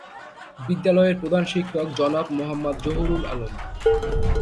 বিদ্যালয়ের প্রধান শিক্ষক জনাব মোহাম্মদ জহুরুল আলম।